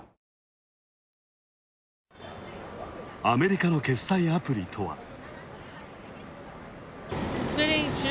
アメリカの決済アプリとは。